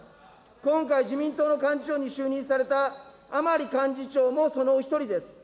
今回、自民党の幹事長に就任された甘利幹事長もそのお一人です。